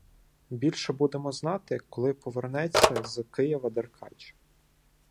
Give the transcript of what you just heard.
Більше будемо знати, коли повернеться з Києва Деркач.